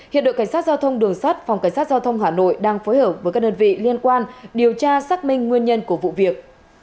hiện đội cảnh sát giao thông đường sắt phòng cảnh sát giao thông hà nội đang phối hợp với các đơn vị liên quan điều tra xác minh nguyên nhân của vụ việc